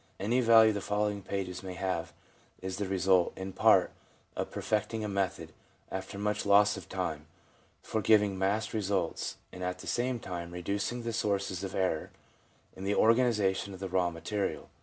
Any value the following pages may have is the result, in part, of perfecting a method, after much loss of time, for giving massed results and at the same time reducing the sources of error in the organisation of the raw material.